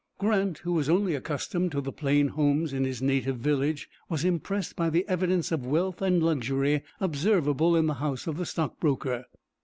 Grant, who was only accustomed to the plain homes in his native village, was impressed by the evidence of wealth and luxury observable in the house of the stock broker.